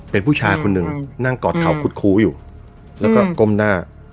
เป็นผู้ชายคนหนึ่งนั่งกอดเข่าคุดคู้อยู่แล้วก็ก้มหน้า